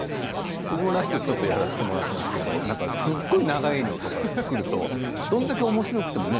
僕もラジオをちょっとやらせてもらってますけどすごく長いのとかくるとどれだけおもしろくてもね